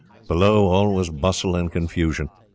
Below, all was bustle and confusion.